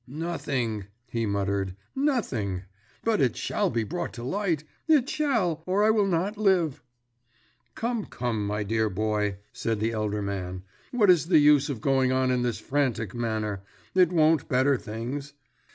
"Nothing!" he muttered. "Nothing! But it shall be brought to light it shall, or I will not live!" "Come, come, my dear boy," said the elder man. "What is the use of going on in this frantic manner? It won't better things."